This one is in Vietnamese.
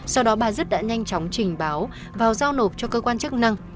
sau đó bà dứt đã nhanh chóng trình báo và giao nộp cho cơ quan chức năng